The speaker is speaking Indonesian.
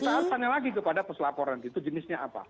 kita harus tanya lagi kepada peselaporan itu jenisnya apa